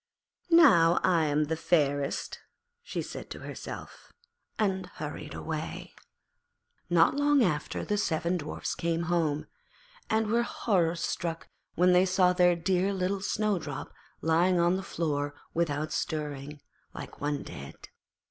'Now I am the fairest,' she said to herself, and hurried away. Not long after the seven Dwarfs came home, and were horror struck when they saw their dear little Snowdrop lying on the floor without stirring, like one dead.